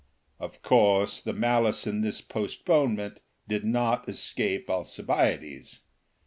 Of course the malice in this postponement did not escape Alcibiades.